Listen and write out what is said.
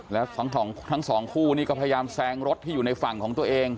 แล้วทั้งสองคู่นี่ก็พยายามแซงรถที่อยู่ในฝั่งของตัวเอง